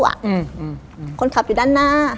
อืมอืมคนขับอยู่ด้านหน้า